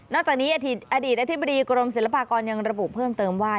จากนี้อดีตอธิบดีกรมศิลปากรยังระบุเพิ่มเติมว่า